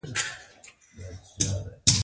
د اداري اصلاحاتو خپلواک کمیسیون جوړول.